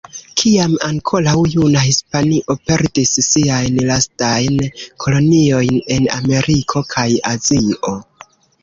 Kiam ankoraŭ juna Hispanio perdis siajn lastajn koloniojn en Ameriko kaj Azio.